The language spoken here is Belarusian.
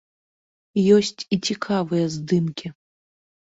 Ёсць і цікавыя здымкі.